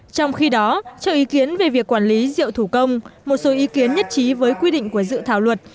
trong khi đó cho ý kiến về việc quản lý rượu thủ công một số ý kiến nhất trí với quy định của dự thảo luật